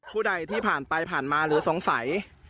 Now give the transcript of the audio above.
ผู้ใดที่ผ่านไปผ่านมาหรือสงสัย